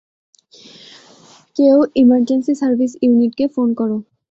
কেউ emergency service ইউনিটকে phone করো।